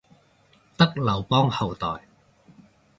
得劉邦後代